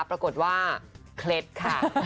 ปรากฏว่าเคล็ดค่ะ